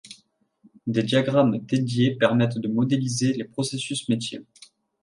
Des diagrammes dédiés permettent de modéliser les Processus métier.